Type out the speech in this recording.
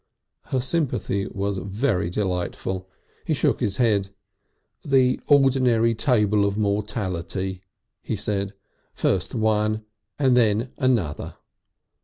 Her sympathy was very delightful. He shook his head. "The ordinary table of mortality," he said. "First one and then another."